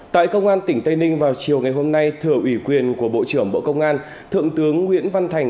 tại công an tỉnh tây ninh vào chiều ngày hôm nay thừa ủy quyền của bộ trưởng bộ công an thượng tướng nguyễn văn thành